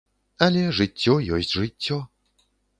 Але жыццё ёсць жыццё.